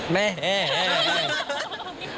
บัญชีสินซอด